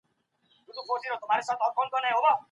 که موږ خپل تاریخ ولولو نو ډېر څه زده کوو.